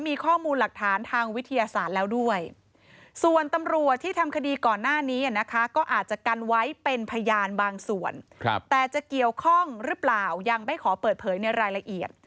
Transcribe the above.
มันเอาการไว้เป็นพยานบางส่วนแต่จะเกี่ยวข้องหรือเปล่ายังไม่ขอเปิดเผยในรายละเอียด